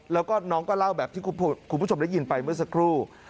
แล้วก็น้องก็เล่าแบบที่คุณผู้ชมได้ยินไปเมื่อสักครู่